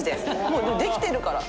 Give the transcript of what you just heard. もうできてるから！